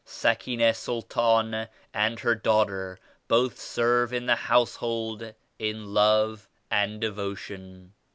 Sakrina Sultana and her daughter both serve in the Household in love and devotion.